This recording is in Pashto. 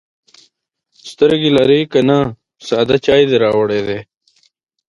_سترګې لرې که نه، ساده چای دې راوړی دی.